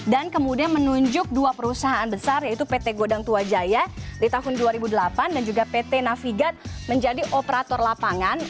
dan kemudian menunjuk dua perusahaan besar yaitu pt godang tua jaya di tahun dua ribu delapan dan juga pt navigat menjadi operator lapangan